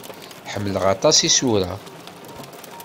Ḥemmleɣ aṭas isura.